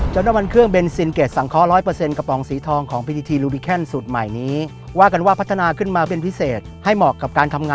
เจ้าน้ำมันเครื่องเบนซินเกรดสังเคราะห์๑๐๐กระปองสีทอง